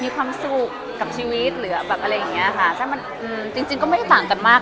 มีความสุขกับชีวิตหรือแบบอะไรอย่างเงี้ยค่ะถ้ามันจริงจริงก็ไม่ต่างกันมาก